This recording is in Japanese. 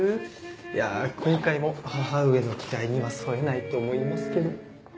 いや今回も母上の期待には沿えないと思いますけど。